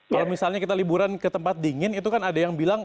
kalau misalnya kita liburan ke tempat dingin itu kan ada yang bilang